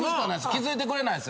⁉気付いてくれないんすよ。